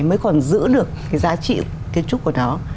mới còn giữ được cái giá trị kiến trúc của nó